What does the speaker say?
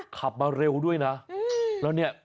ขับมาเร็วด้วยนะแล้วเนี่ย